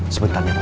sebentar ya bostan